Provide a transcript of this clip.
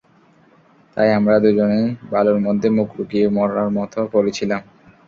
তাই আমরা দুজনেই বালুর মধ্যে মুখ লুকিয়ে মড়ার মতো পড়ে ছিলাম।